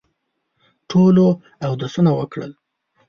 ټولو اودسونه وکړل.